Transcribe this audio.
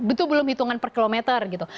itu belum hitungan per kilometer gitu